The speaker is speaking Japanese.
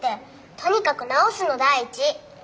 とにかく治すの第一！